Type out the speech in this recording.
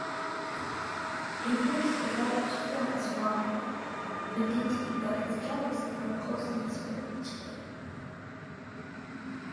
Avinash develops feelings for Aditi but is jealous of her closeness with Jay.